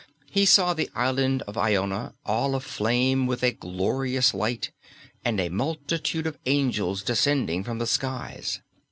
He saw the island of Iona all aflame with a glorious light and a multitude of angels descending from the skies.